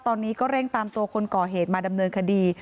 ตอนนี้ก็เร่งตามตัวคนก่อเหตุมาดำเนินคดี